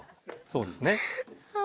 そうですね。